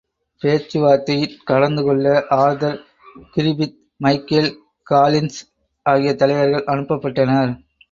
பேச்சுவார்தையிற் கலந்துகொள்ள Arthur Griffith, Michael Collins ஆகிய தலைவர்கள் அனுப்பப்பட்டனர்.